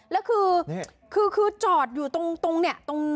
แล้วคือคือคือจอดอยู่ตรงตรงเนี่ยตรง